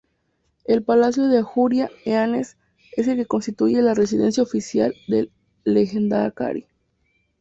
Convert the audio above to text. El Palacio de Ajuria Enea es el que constituye la residencia oficial del "lehendakari".